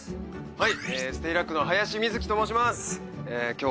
はい。